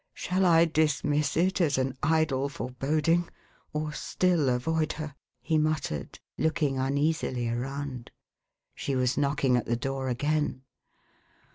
" Shall I dismiss it as an idle foreboding, or still avoid her?" he muttered, looking uneasily around. She was knocking at the door again.